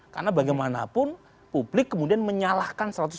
karena bagaimanapun publik kemudian menyalahkan